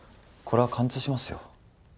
これは貫通しますよ。